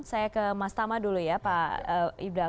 saya ke mas tama dulu ya pak ibdal